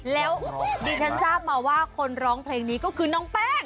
แล้วดิฉันทราบมาว่าคนร้องเพลงนี้ก็คือน้องแป้ง